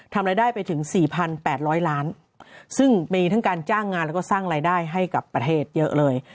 ทำรายได้ไปถึง๔๘๐๐ล้านซึ่งมีทั้งการจ้างงานแล้วก็สร้างรายได้ให้กับประเทศเยอะเลย